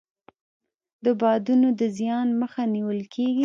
د بادونو د زیان مخه نیول کیږي.